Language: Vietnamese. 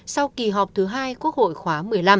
sau kỳ họp thứ hai quốc hội khóa một mươi năm